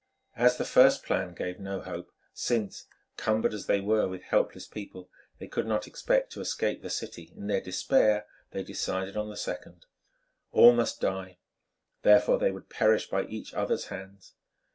As the first plan gave no hope, since, cumbered as they were with helpless people, they could not expect to escape the city, in their despair they decided on the second. All must die, therefore they would perish by each other's hands.